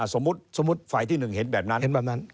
สมมุติฝ่ายที่หนึ่งเห็นแบบนั้น